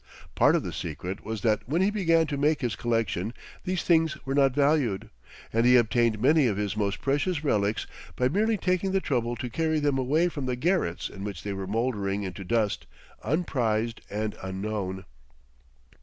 Part of the secret was that when he began to make his collection these things were not valued, and he obtained many of his most precious relics by merely taking the trouble to carry them away from the garrets in which they were mouldering into dust, unprized and unknown.